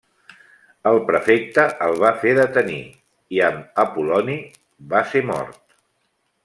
El prefecte el va fer detenir i, amb Apol·loni, va ser mort.